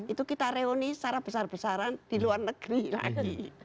itu kita reuni secara besar besaran di luar negeri lagi